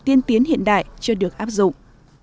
tiên tiến hiện đại chưa được áp dụng